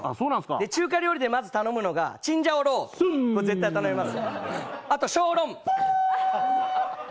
中華料理でまず頼むのがチンジャオローを絶対頼みます。